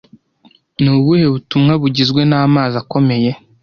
Ni ubuhe butumwa bugizwe n'amazi akomeye